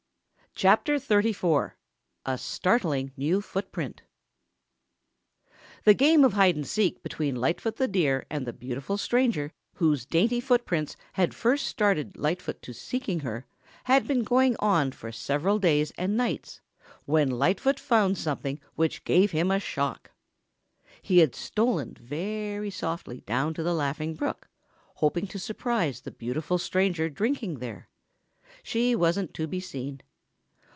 CHAPTER XXXIV A STARTLING NEW FOOTPRINT The game of hide and seek between Lightfoot the Deer and the beautiful stranger whose dainty footprints had first started Lightfoot to seeking her had been going on for several days and nights when Lightfoot found something which gave him a shock. He had stolen very softly down to the Laughing Brook, hoping to surprise the beautiful stranger drinking there. She wasn't to be seen.